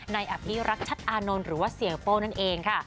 อภิรักชัดอานนท์หรือว่าเสียโป้นั่นเองค่ะ